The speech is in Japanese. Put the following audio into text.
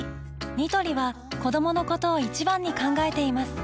ニトリは子どものことを一番に考えています